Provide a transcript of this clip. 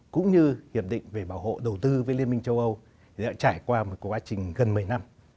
cũng như hiệp định về bảo hộ đầu tư với liên minh châu âu đã trải qua một quá trình gần một mươi năm